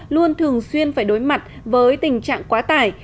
luôn thường xuyên phải đối mặt với tình trạng quá tải